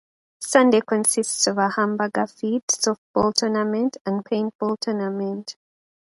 Sunday consists of a hamburger feed, softball tournament, and paintball tournament.